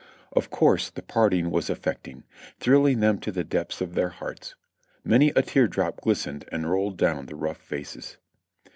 Of course the parting was affecting ; thrilling them to the depths of their hearts. Many a tear drop glistened and rolled down upon the rough faces.